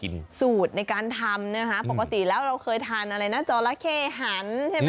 ข้ามีสูตรในการทำเนี่ยปกติแล้วเราเคยทานอันไปจอระเท่หัน